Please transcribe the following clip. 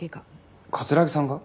城さんが？